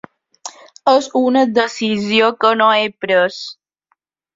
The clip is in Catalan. És una decisió que no he pres.